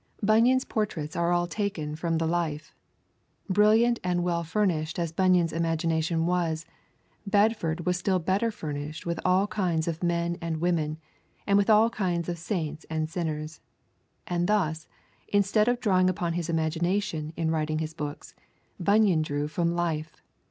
Bunyan's portraits are all taken from the life. Brilliant and well furnished as Bunyan's imagination was, Bedford was still better furnished with all kinds of men and women, and with all kinds of saints and sinners. And thus, instead of drawing upon his imagination in writing his books, Bunyan drew from life.